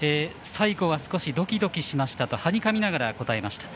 最後は少しドキドキしましたとはにかみながら答えました。